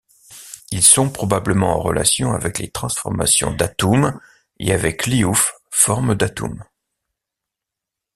Ils sont probablement en relation avec les transformations d'Atoum et avec l'Iouf, forme d'Atoum.